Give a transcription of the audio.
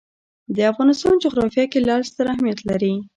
د افغانستان جغرافیه کې لعل ستر اهمیت لري.